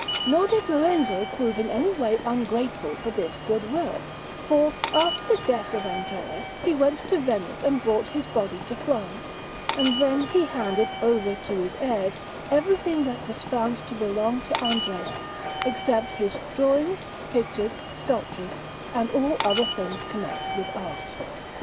Nor did Lorenzo prove in any way ungrateful for this good will, for, after the death of Andrea, he went to Venice and brought his body to Florence; and then he handed over to his heirs everything that was found to belong to Andrea, except his drawings, pictures, sculptures, and all other things connected with art.